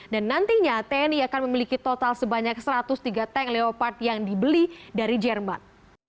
dan nantinya tni akan memiliki total sebanyak satu ratus tiga tank leopard yang dibeli dari jerman